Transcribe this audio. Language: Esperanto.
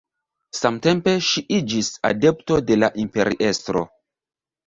Samtempe ŝi iĝis adepto de la imperiestro.